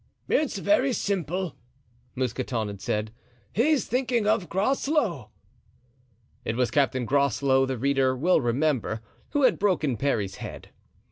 "It is very simple," Mousqueton had said; "he is thinking of Groslow." It was Captain Groslow, the reader will remember, who had broken Parry's head.